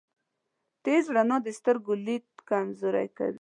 تیزه رڼا د سترګو لید کمزوری کوی.